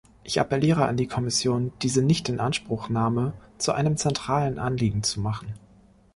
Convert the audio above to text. Ich appelliere an die Kommission, diese Nichtinanspruchnahme zu einem zentralen Anliegen zu machen.